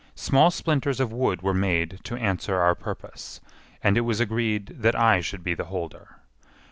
Small splinters of wood were made to answer our purpose, and it was agreed that I should be the holder.